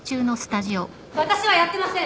私はやってません！